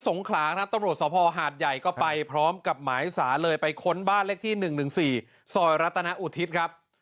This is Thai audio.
งขลาครับตำรวจสภหาดใหญ่ก็ไปพร้อมกับหมายสารเลยไปค้นบ้านเลขที่๑๑๔ซอยรัตนอุทิศครับ